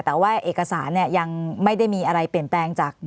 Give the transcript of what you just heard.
แต่ว่าเอกสารเนี่ยยังไม่ได้มีอะไรเปลี่ยนแปลงจาก